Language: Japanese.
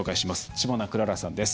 知花くららさんです。